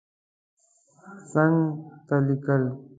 څنګ ته لیکل